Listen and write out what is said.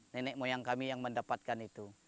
nenek moyang kami yang mendapatkan itu